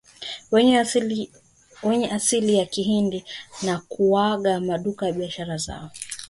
wenye asili ya Kihindi na kugawa maduka na biashara zao